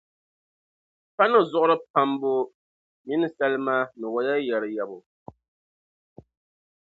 pa ni zuɣuri pambu mini salima ni waya yɛri yɛbu.